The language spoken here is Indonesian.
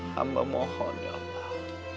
hamba mohon ya allah